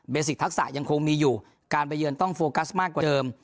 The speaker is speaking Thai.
สิกทักษะยังคงมีอยู่การไปเยือนต้องโฟกัสมากกว่าเดิม